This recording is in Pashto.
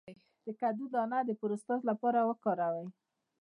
د کدو دانه د پروستات لپاره وکاروئ